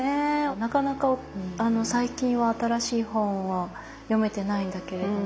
なかなか最近は新しい本は読めてないんだけれども。